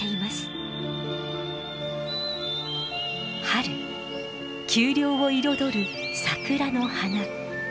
春丘陵を彩る桜の花。